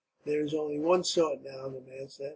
"There is only one sort, now," the man said.